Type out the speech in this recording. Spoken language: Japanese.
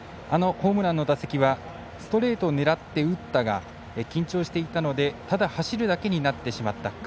ホームランの打席はストレートを狙って打ったが緊張していたのでただ走るだけになってしまった。